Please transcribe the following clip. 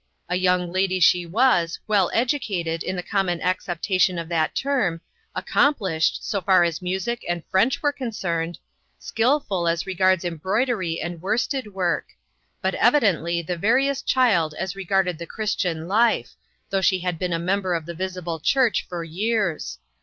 A young lady she was, well educated, in the common acceptation of that term, accom plished, so far as music* and French were concerned, skillful as regards embroidery and worsted work ; but evidently the veriest child as regarded the Christian life, though she had been a member of the visible church for years.